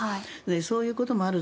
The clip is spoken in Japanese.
そういうこともある。